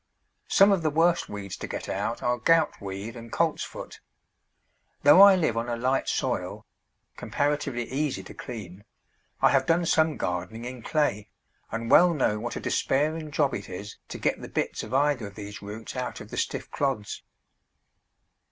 Some of the worst weeds to get out are Goutweed and Coltsfoot. Though I live on a light soil, comparatively easy to clean, I have done some gardening in clay, and well know what a despairing job it is to get the bits of either of these roots out of the stiff clods.